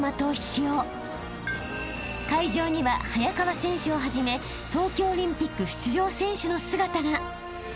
［会場には早川選手をはじめ東京オリンピック出場選手の姿が］